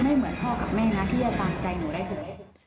ไม่เหมือนพ่อกับแม่นะที่จะตามใจหนูได้หรือ